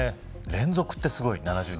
連続ってすごい。